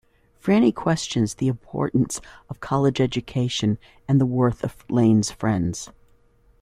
Franny questions the importance of college education and the worth of Lane's friends.